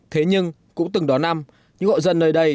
thế nhưng cũng từng đó năm những hộ dân nơi đây